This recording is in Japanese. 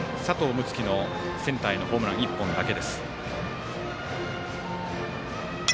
樹のセンターへのホームラン、１本だけです。